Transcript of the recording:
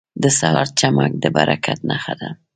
• د سهار چمک د برکت نښه ده.